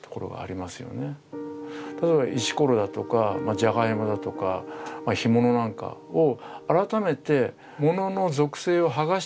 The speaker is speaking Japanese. だから石ころだとかジャガイモだとか干物なんかを改めて物の属性を剥がしてですね